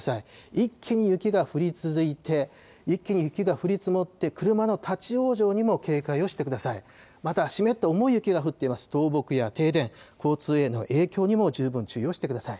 一気に雪が降り続いて、一気に雪が降り積もって、車の立往生にも警戒をしてください。